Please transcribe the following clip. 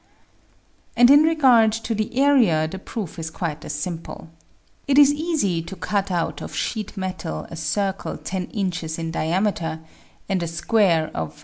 And in regard to the area the proof is quite as simple. It is easy to cut out of sheet metal a circle 10 inches in diameter, and a square of 7.